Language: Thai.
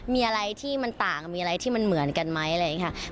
มีอะไรที่มันต่างมีอะไรที่มันเหมือนกันไหมอะไรอย่างนี้ค่ะ